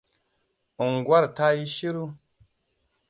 Unguwar tayi shiru.